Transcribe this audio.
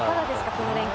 この連携。